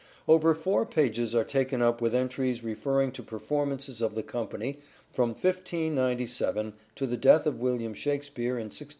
Over four pages are taken up with entries referring to performances of the company from 1597 to the death of William Shakspere in 1616.